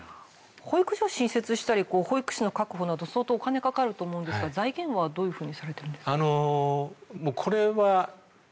保育所を新設したり保育士の確保など相当お金かかると思うんですが財源はどういうふうに？